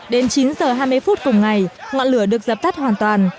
đến chín h hai mươi phút cùng ngày ngọn lửa được dập tắt hoàn toàn